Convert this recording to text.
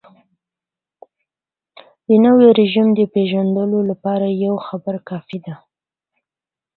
د نوي رژیم د پېژندلو لپاره یوه خبره کافي ده.